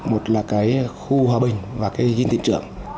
một là khu hòa bình và diện tịnh trưởng